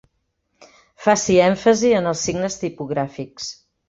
Faci èmfasi en els signes tipogràfics.